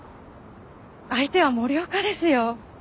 相手は森岡ですよ。